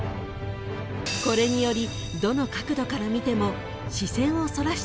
［これにより］